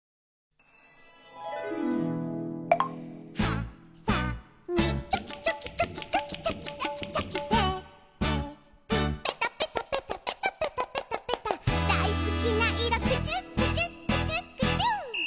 「はさみチョキチョキチョキチョキチョキチョキチョキ」「テープペタペタペタペタペタペタペタ」「だいすきないろクチュクチュクチュクチュ」